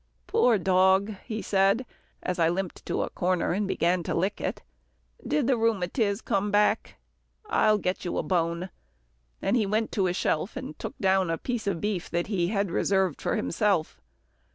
"Poor dog," he said as I limped to a corner and began to lick it. "Did the rheumatiz come back? I'll get you a bone," and he went to a shelf and took down a piece of beef that he had reserved for himself.